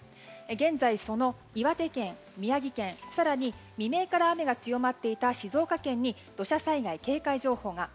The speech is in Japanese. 現在、岩手県、宮城県更に未明から雨が強まっていた静岡県に土砂災害警戒情報が。